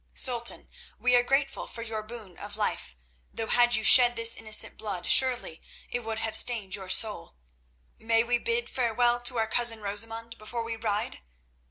Sultan, we are grateful for your boon of life, though had you shed this innocent blood surely it would have stained your soul. May we bid farewell to our cousin Rosamund before we ride?"